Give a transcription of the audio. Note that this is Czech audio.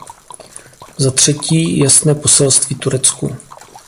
Za třetí, jasné poselství Turecku.